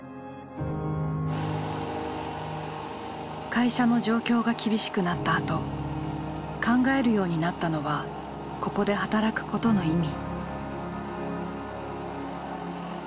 会社の状況が厳しくなったあと考えるようになったのはここで働くことの意味。